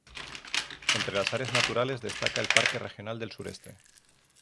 Entre las áreas naturales destaca el Parque Regional del Sureste.